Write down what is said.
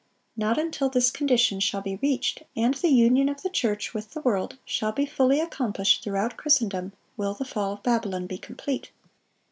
(642) Not until this condition shall be reached, and the union of the church with the world shall be fully accomplished throughout Christendom, will the fall of Babylon be complete.